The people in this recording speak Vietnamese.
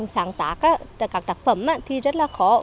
sáng tác các tác phẩm thì rất là khó